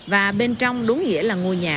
và bên trong đúng nghĩa là ngôi nhà